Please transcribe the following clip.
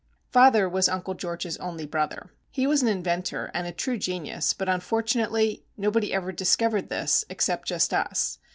Father was Uncle George's only brother. He was an inventor, and a true genius; but, unfortunately, nobody ever discovered this, except just us.